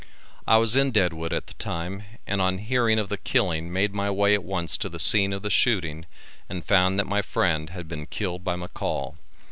I was in Deadwood at the time and on hearing of the killing made my way at once to the scene of the shooting and found that my friend had been killed by McCall.